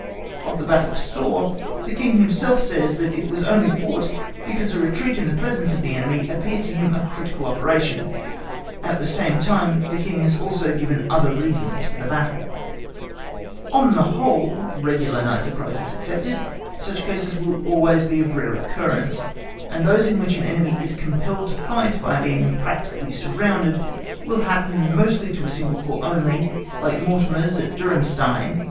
(*) November 5, 1757. Of the battle of Soor,(*) the King himself says that it was only fought because a retreat in the presence of the enemy appeared to him a critical operation; at the same time the King has also given other reasons for the battle. (*) Or Sohr, September 30, 1745. On the whole, regular night surprises excepted, such cases will always be of rare occurrence, and those in which an enemy is compelled to fight by being practically surrounded, will happen mostly to single corps only, like Mortier's at Dürrenstein 1809, and Vandamme at Kulm, 1813.